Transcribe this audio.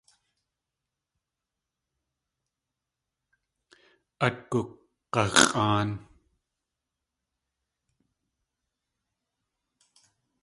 At gug̲ax̲ʼáan.